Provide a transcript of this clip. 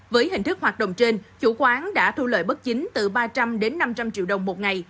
với hình thức hoạt động trên chủ quán đã thu lợi bất chính từ ba trăm linh đến năm trăm linh triệu đồng một ngày